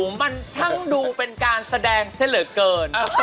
ของหนูมันทั้งดูเป็นการแสดงเสลอเกิน